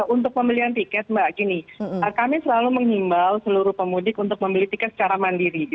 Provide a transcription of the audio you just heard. untuk pembelian tiket mbak gini kami selalu menghimbau seluruh pemudik untuk membeli tiket secara mandiri